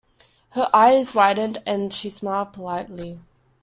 Her eyes widened and she smiled politely.